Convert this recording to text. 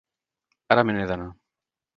Ara me n'he d'anar.